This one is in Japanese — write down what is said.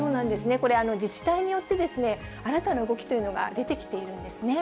これ、自治体によって新たな動きというのが出てきているんですね。